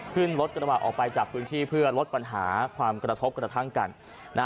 ขึ้นรถกระบะออกไปจากพื้นที่เพื่อลดปัญหาความกระทบกระทั่งกันนะฮะ